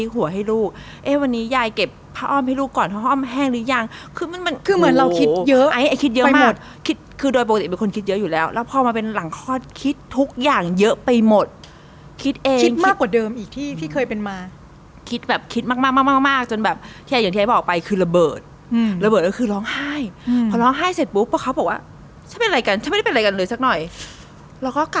คิดเยอะมากคิดคือโดยปกติเป็นคนคิดเยอะอยู่แล้วแล้วพอมาเป็นหลังคลอดคิดทุกอย่างเยอะไปหมดคิดเองคิดมากกว่าเดิมอีกที่ที่เคยเป็นมาคิดแบบคิดมากจนแบบอย่างที่ไอ้บอกไปคือระเบิดระเบิดก็คือร้องไห้พอร้องไห้เสร็จปุ๊บเขาบอกว่าฉันเป็นอะไรกันฉันไม่ได้เป็นอะไรกันเลยสั